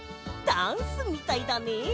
ダンスみたいだね！